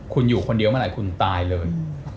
คุณอยู่คนเดียวเมื่อไหร่คุณตายเลย